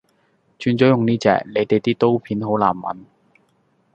轉咗用呢隻，你地啲刀片好難搵